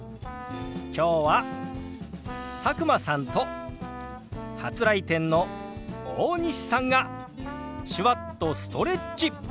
今日は佐久間さんと初来店の大西さんが手話っとストレッチ！